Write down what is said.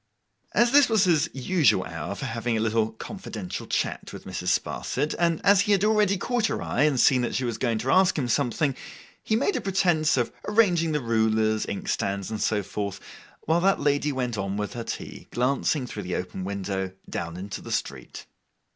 As this was his usual hour for having a little confidential chat with Mrs. Sparsit, and as he had already caught her eye and seen that she was going to ask him something, he made a pretence of arranging the rulers, inkstands, and so forth, while that lady went on with her tea, glancing through the open window, down into the street.